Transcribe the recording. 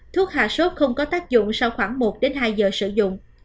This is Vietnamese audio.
thuốc hạ sốt không có tác dụng sau khoảng một đến hai giờ sử dụng